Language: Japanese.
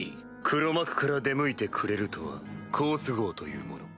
黒幕から出向いてくれるとは好都合というもの。